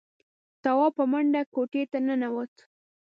تواب په منډه کوټې ته ننوت.